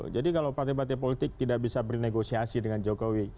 jadi kalau partai partai politik tidak bisa bernegosiasi dengan jokowi